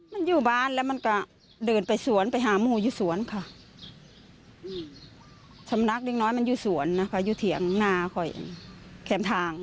ดรสแม่นดรสแม่คืออยู่บ้านและกรณีวิทยาลักษณะ